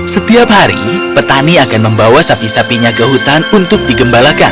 setiap hari petani akan membawa sapi sapinya ke hutan untuk digembalakan